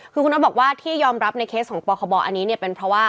คุณน็อบบอกว่ายอมรับในเคสของปกบอันนี้เป็นเพราะว่า